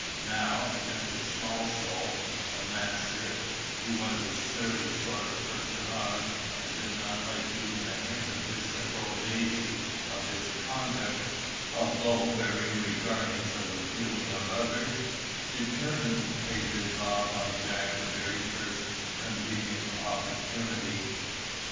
Now Mr. Smallsole, the master, who was a surly sort of a personage, and did not like even a hint of disapprobation of his conduct, although very regardless of the feeling of others, determined to pay this off on Jack the very first convenient opportunity.